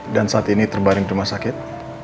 dan saat ini terbaring rumah sakit